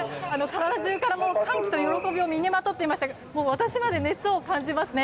体中から、歓喜と喜びを身にまとっていまして私まで熱を感じますね。